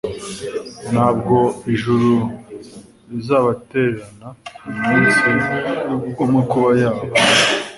Ntabwo ijuru rizabatererana mu munsi wamakuba yabo